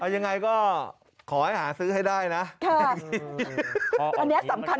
ยังไงก็ขอให้หาซื้อให้ได้นะ